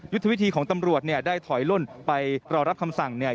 วิธีของตำรวจเนี่ยได้ถอยล่นไปรอรับคำสั่งเนี่ย